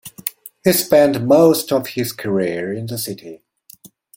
He spent most of his career in the city.